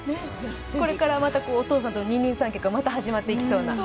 これからまた、お父さんとの二人三脚がまた始まっていきそうな。